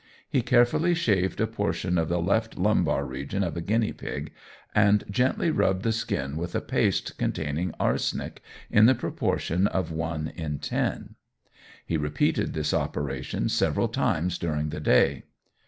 He carefully shaved a portion of the left lumbar region of a guinea pig, and gently rubbed the skin with a paste containing arsenic, in the proportion of one in ten. He repeated this operation several times during the day.